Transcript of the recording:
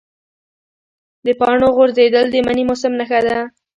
د پاڼو غورځېدل د مني موسم نښه ده.